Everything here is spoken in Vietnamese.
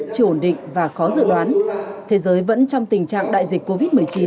chưa ổn định và khó dự đoán thế giới vẫn trong tình trạng đại dịch covid một mươi chín